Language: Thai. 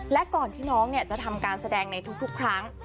และก่อนที่น้องจะทำการแสดงในทุกครั้ง